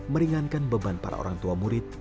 meringankan beban para orang tua murid